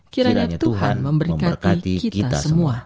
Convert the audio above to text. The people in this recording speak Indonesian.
kiranya tuhan memberkati kita semua